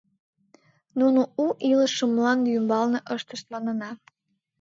Нуно у илышым мланде ӱмбалне ыштышт, манына.